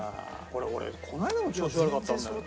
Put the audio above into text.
これ俺この間も調子悪かったんだよ。